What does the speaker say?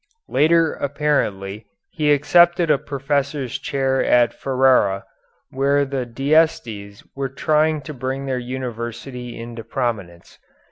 Later apparently he accepted a professor's chair at Ferrara, where the D'Estes were trying to bring their university into prominence.